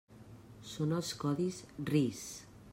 Són els codis RIS.